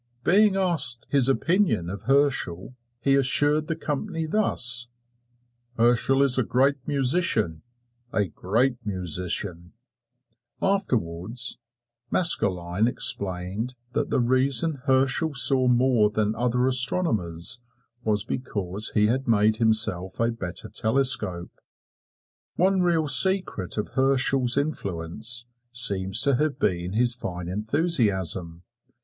Being asked his opinion of Herschel he assured the company thus: "Herschel is a great musician a great musician!" Afterwards Maskelyne explained that the reason Herschel saw more than other astronomers was because he had made himself a better telescope. One real secret of Herschel's influence seems to have been his fine enthusiasm.